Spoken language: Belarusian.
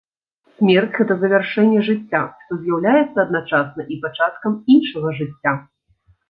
Смерць гэта завяршэнне жыцця, што з'яўляецца адначасна і пачаткам іншага жыцця.